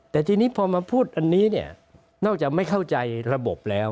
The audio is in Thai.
แต่ทีนี้พอมาพูดอันนี้เนี่ยนอกจากไม่เข้าใจระบบแล้ว